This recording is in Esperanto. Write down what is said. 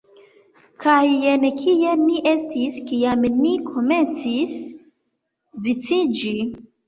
Kaj jen kie ni estis kiam ni komencis viciĝi